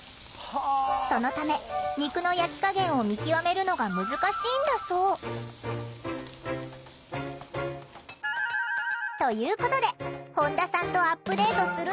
そのため肉の焼き加減を見極めるのが難しいんだそう。ということで本田さんとアップデートするのは。